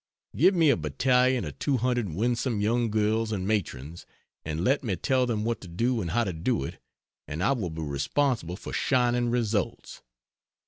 Give me a battalion of 200 winsome young girls and matrons, and let me tell them what to do and how to do it, and I will be responsible for shining results.